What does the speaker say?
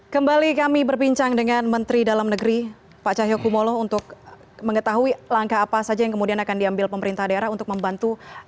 kembali kami berbincang dengan menteri dalam negeri pak cahyokumolo untuk mengetahui langkah apa saja yang kemudian akan diambil pemerintah daerah untuk membantu